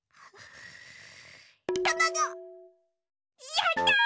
やった！